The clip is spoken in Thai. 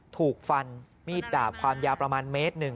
ถูกฟันมีดดาบความยาวประมาณเมตรหนึ่ง